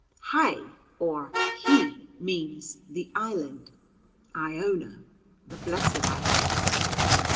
(Hy or Hii means "the island"; Iona "the blessed island.")